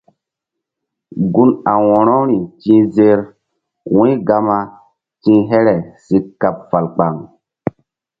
Gun a wo̧rori ti̧h zer wu̧y Gama ti̧h here si kaɓ fal kpaŋ.